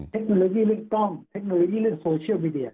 เทคโนโลยีเรื่องกล้องเทคโนโลยีเรื่องโซเชียลมีเดีย